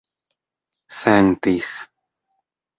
sentis